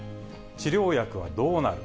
治療薬はどうなる？